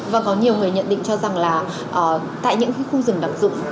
và có nhiều người nhận định cho rằng là tại những khu rừng đặc dụng